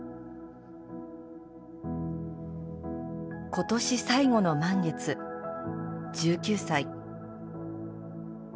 今年最後の満月１９歳。